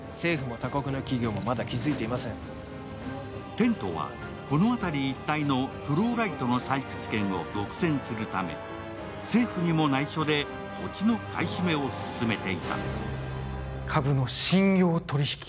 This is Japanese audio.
テントは、この辺り一帯のフローライトの採掘権を独占するため、政府にも内緒で土地の買い占めを進めていた。